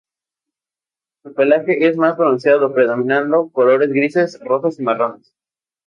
Su pelaje es más bronceado, predominando colores grises, rojos y marrones.